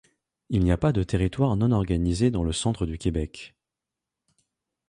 Il n'y a pas de territoire non organisé dans le Centre-du-Québec.